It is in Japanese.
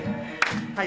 はい